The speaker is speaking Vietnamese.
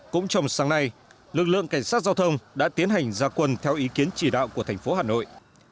cũng trong sáng nay lực lượng cảnh sát giao thông đã tiến hành gia quân theo ý kiến chỉ đạo của thành phố hà nội